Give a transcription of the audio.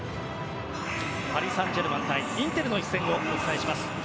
パリ・サンジェルマン対インテルの一戦をお伝えします。